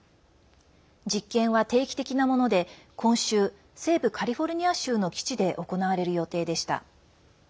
実験は定期的なもので今週、西部カリフォルニア州の基地で行われる予定でした。